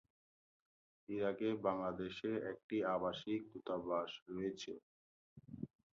ইরাকে বাংলাদেশে একটি আবাসিক দূতাবাস রয়েছে।